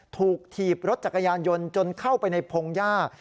ถีบรถจักรยานยนต์จนเข้าไปในพงหญ้า